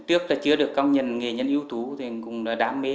tuyếp là chưa được công nhận nghệ nhân yếu tố thì cũng là đam mê